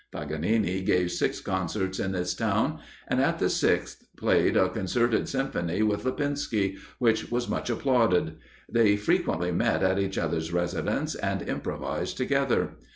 Paganini gave six concerts in this town; and, at the sixth, played a concerted symphony with Lipinski, which was much applauded. They frequently met at each other's residence and improvised together.